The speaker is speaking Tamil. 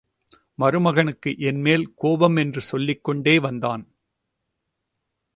மருமகனுக்கு என்மேல் கோபம் என்று சொல்லிக் கொண்டே வந்தான்.